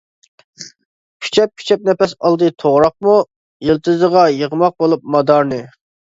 كۈچەپ-كۈچەپ نەپەس ئالدى توغراقمۇ، يىلتىزىغا يىغماق بولۇپ مادارنى.